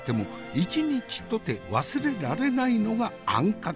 一日とて忘れられないのがあんかけだし。